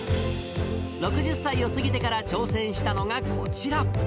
６０歳を過ぎてから挑戦したのがこちら。